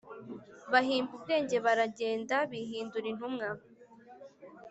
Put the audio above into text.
Bahimba ubwenge baragenda b hindura intumwa